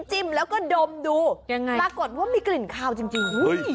จิ้มแล้วก็ดมดูยังไงปรากฏว่ามีกลิ่นคาวจริง